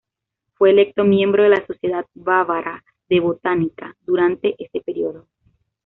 Fue electo miembro de la "Sociedad Bávara de Botánica" durante ese periodo.